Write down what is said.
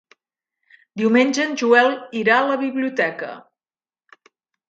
Diumenge en Joel irà a la biblioteca.